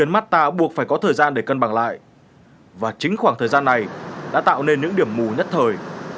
đã tạo nên những điểm mù nhất thời